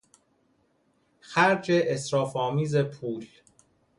خرج اسراف آمیز پول